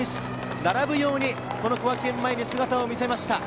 並ぶように小涌園前に姿を見せました。